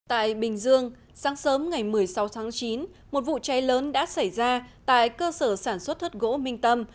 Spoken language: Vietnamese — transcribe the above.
tại bình dương sáng sớm ngày một mươi sáu tháng chín một vụ cháy lớn đã xảy ra tại cơ sở sản xuất thất gỗ minh tâm